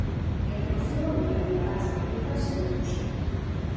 A interrupción voluntaria do embarazo realízase doutro xeito.